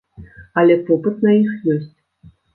Але попыт на іх ёсць.